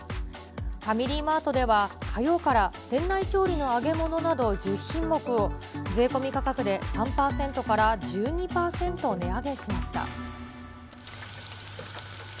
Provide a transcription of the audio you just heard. ファミリーマートでは、火曜から店内調理の揚げ物など１０品目を、税込み価格で３％から１２％値上げしました。